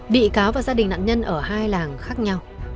bị cáo và gia đình nạn nhân ở hai làng khác nhau